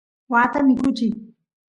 waata mikuchiy